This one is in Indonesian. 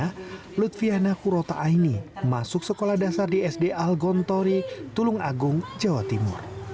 karena ludviana kurota aini masuk sekolah dasar di sd al gontori tulung agung jawa timur